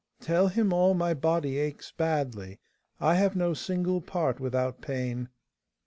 'Tell him all my body aches badly; I have no single part without pain.